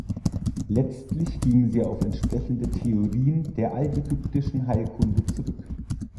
Letztlich gingen sie auf entsprechende Theorien der altägyptischen Heilkunde zurück.